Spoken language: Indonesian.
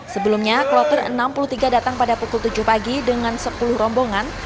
sebelumnya kloter enam puluh tiga datang pada pukul tujuh pagi dengan sepuluh rombongan